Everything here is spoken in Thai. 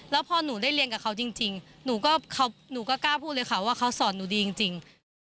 แล้วพอหนูได้เรียนกับเขาจริงหนูก็กล้าพูดเลยค่ะว่าเขาสอนหนูดีจริง